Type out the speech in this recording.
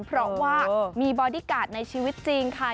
เพราะว่ามีบอดี้การ์ดในชีวิตจริงค่ะ